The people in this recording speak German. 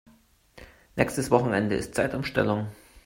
Nächstes Wochenende ist Zeitumstellung.